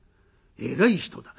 えらい人だ。